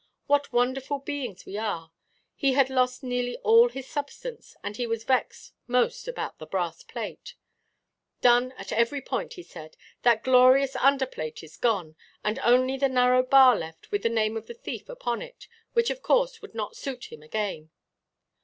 What wonderful beings we are! He had lost nearly all his substance, and he was vexed most about the brass–plate. "Done at every point," he said; "that glorious under–plate is gone, and only the narrow bar left with the name of the thief upon it, which of course would not suit him again."